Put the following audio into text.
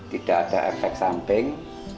tidak ada efek samping